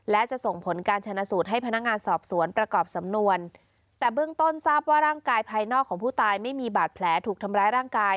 และจะส่งผลการชนะสูตรให้พนักงานสอบสวนประกอบสำนวนแต่เบื้องต้นทราบว่าร่างกายภายนอกของผู้ตายไม่มีบาดแผลถูกทำร้ายร่างกาย